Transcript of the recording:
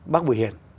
bác bùi hiền